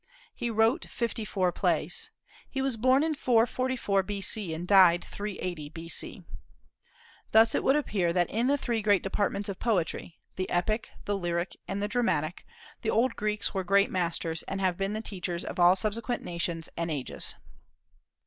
He wrote fifty four plays. He was born 444 B.C., and died 380 B.C. Thus it would appear that in the three great departments of poetry, the epic, the lyric, and the dramatic, the old Greeks were great masters, and have been the teachers of all subsequent nations and ages.